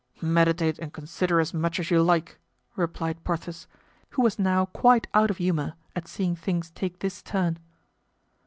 "Meditate and consider as much as you like," replied Porthos, who was now quite out of humor at seeing things take this turn.